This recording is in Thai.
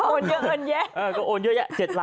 โอนเยอะโอนแยะโอนแยะ๗ล้านเหรอครับ